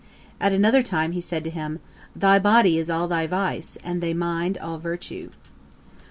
At another time he said to him, 'Thy body is all vice, and thy mind all virtue.'